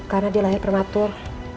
karena dia lahir prematur